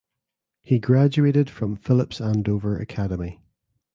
He graduated from Phillips Andover Academy.